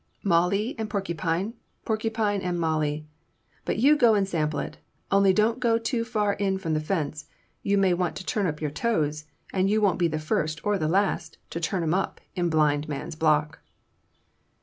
Mallee and porcupine porcupine and mallee. But you go and sample it; only don't get too far in from the fence. If you do you may turn up your toes; and you won't be the first or the last to turn 'em up in Blind Man's Block."